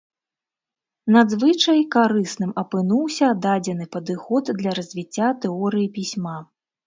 Надзвычай карысным апынуўся дадзены падыход для развіцця тэорыі пісьма.